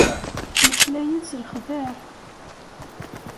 Ttmeslayen s lexdaɛ.